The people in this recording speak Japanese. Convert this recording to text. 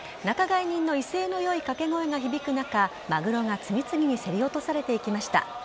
仲買人の威勢のよい掛け声が響く中、マグロが次々に競り落とされていきました。